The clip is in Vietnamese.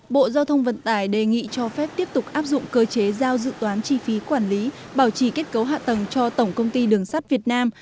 bộ giao thông vận tải đề nghị cho phép tiếp tục áp dụng cơ chế giao dự toán chi phí quản lý bảo trì kết cấu hạ tầng cho tổng công ty đường sắt việt nam